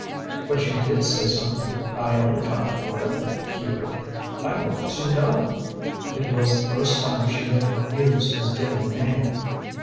"But you did say something. I only caught part of it. Hubert, I want to know!" It was the first time she had used his given name.